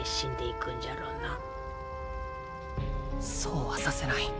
そうはさせない。